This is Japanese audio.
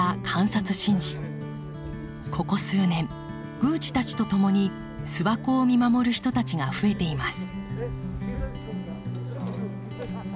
ここ数年宮司たちと共に諏訪湖を見守る人たちが増えています。